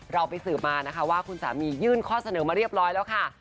เราไปสืบมานะคะว่าคุณสามียื่นข้อเสนอมาเรียบร้อยแล้วค่ะ